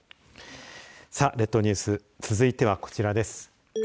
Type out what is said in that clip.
列島ニュース続いてはこちらです。